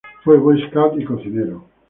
Fue boy scout y cocinero.